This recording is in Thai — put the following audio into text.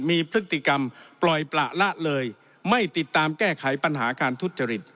มีพฤติกรรมปล่อยประละเลยไม่ติดตามแก้ไขปัญหาการทุจริต